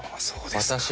そうですか。